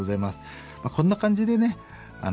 こんな感じでね